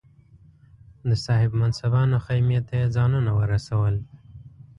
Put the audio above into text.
د صاحب منصبانو خېمې ته یې ځانونه ورسول.